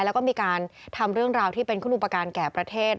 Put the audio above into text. แล้วก็มีการทำเรื่องราวที่เป็นคุณอุปการณ์แก่ประเทศ